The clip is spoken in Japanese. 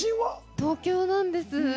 東京なんです。